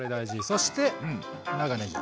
そして長ねぎ。